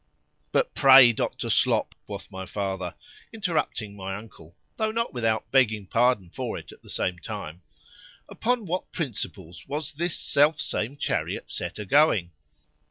_ But pray, Dr. Slop, quoth my father, interrupting my uncle (tho' not without begging pardon for it at the same time) upon what principles was this self same chariot set a going?